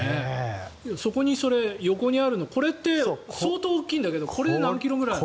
横にあるのこれって相当大きいんだけどこれで何キロ？